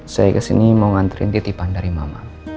saya ke sini mau ngantrin titipan dari mama